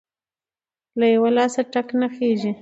ـ له يوه لاسه ټک نخيژي.